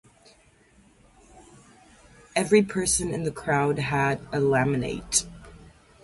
Every person in the crowd had a laminate.